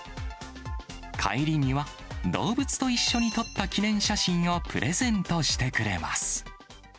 帰りには、動物と一緒に撮った記念写真をプレゼントしてくれます。